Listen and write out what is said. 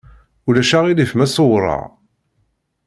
Ulac aɣilif ma ṣewwreɣ?